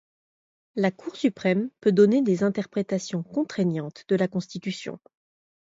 La Cour suprême peut donner des interprétations contraignantes de la Constitution.